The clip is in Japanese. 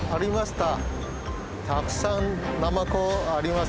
たくさんナマコありますね。